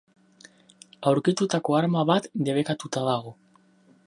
Aurkitutako arma bat debekatuta dago.